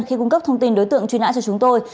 khi cung cấp thông tin đối tượng truy nã cho chúng tôi